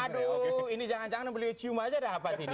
aduh ini jangan jangan beliau cium aja dapat ini